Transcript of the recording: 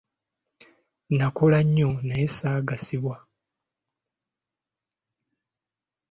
Nakola nnyo naye saagasibwa.